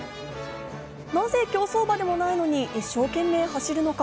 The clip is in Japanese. なぜ競走馬でもないのに一生懸命走るのか。